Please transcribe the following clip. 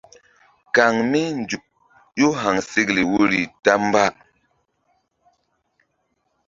Kaŋ mí nzuk ƴó haŋsekle woyri ta mba.